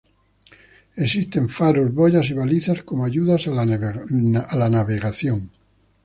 Existen faros, boyas y balizas como ayudas a la navegación.